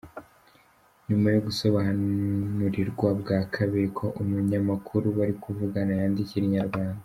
Nyuma yo gusobanurirwa bwa kabiri ko umunyamakuru bari kuvugana yandikira Inyarwanda.